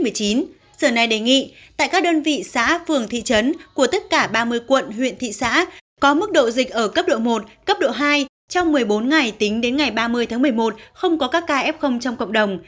sở này đề nghị tại các đơn vị xã phường thị trấn của tất cả ba mươi quận huyện thị xã có mức độ dịch ở cấp độ một cấp độ hai trong một mươi bốn ngày tính đến ngày ba mươi tháng một mươi một không có các ca f trong cộng đồng